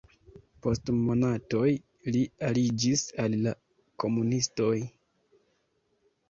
Post monatoj li aliĝis al la komunistoj.